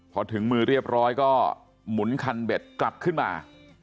พอถึงมือเรียบร้อยก็หมุนคันเบ็ดกลับขึ้นมา